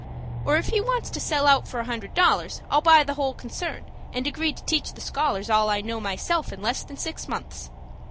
Or, if he wants to sell out for a hundred dollars, I'll buy the whole concern, and agree to teach the scholars all I know myself in less than six months.